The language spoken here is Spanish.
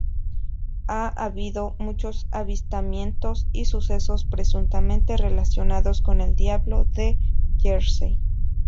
Ha habido muchos avistamientos y sucesos presuntamente relacionados con el Diablo de Jersey.